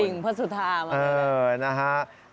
ดิ่งพสุทามาก็ได้